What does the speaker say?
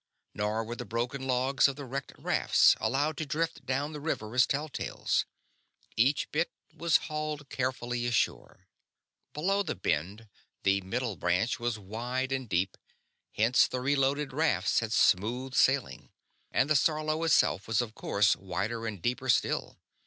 Nor were the broken logs of the wrecked rafts allowed to drift down the river as tell tales. Each bit was hauled carefully ashore. Below the Bend, the Middle Branch was wide and deep, hence the reloaded rafts had smooth sailing; and the Sarlo itself was of course wider and deeper still.